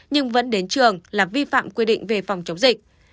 nhưng vẫn đến trường là vi phạm quy định về phòng chống dịch